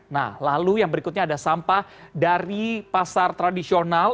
nah lalu yang berikutnya ada sampah dari pasar tradisional